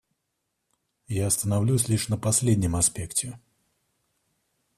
Я остановлюсь лишь на последнем аспекте.